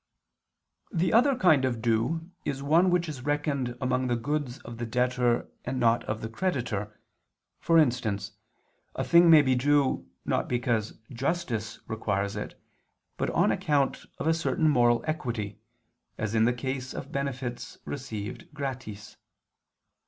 The other kind of due is one which is reckoned among the goods of the debtor and not of the creditor; for instance, a thing may be due, not because justice requires it, but on account of a certain moral equity, as in the case of benefits received gratis.